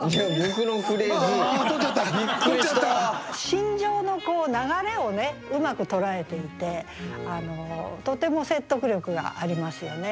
心情の流れをうまく捉えていてとても説得力がありますよね。